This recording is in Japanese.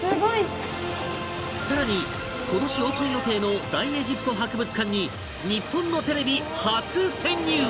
さらに今年オープン予定の大エジプト博物館に日本のテレビ初潜入！